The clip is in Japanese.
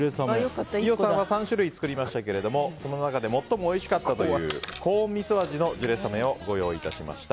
飯尾さんは３種類作りましたけどその中で最もおいしかったというコーン味噌味のジュレさめをご用意いたしました。